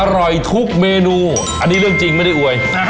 อร่อยทุกเมนูอันนี้เรื่องจริงไม่ได้อวย